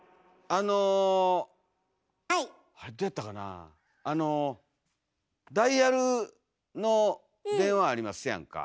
あれどうやったかなあのダイヤルの電話ありますやんか。